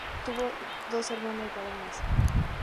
Tuvo dos hermanos varones.